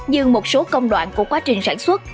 nhưng một số công đoạn của quá trình sản xuất